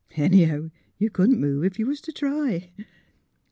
Anyhow, you couldn't move if you was to try."